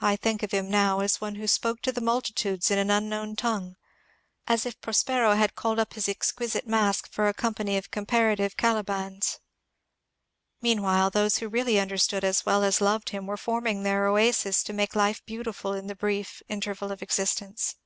I think of him now as one who spoke to the multitudes in an unknown tongue, as if Prospero had called up his exquisite masque for a company of comparative Cali bans. Meanwhile, those who really understood as well as loved him were forming their oases to make life beautiful in the brief interval of existence.